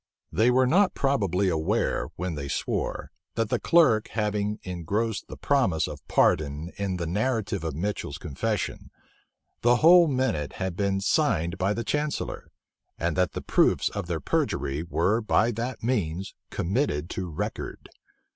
They were not probably aware, when they swore, that the clerk having engrossed the promise of pardon in the narrative of Mitchel's confession, the whole minute had been signed by the chancellor, and that the proofs of their perjury were by that means committed to record.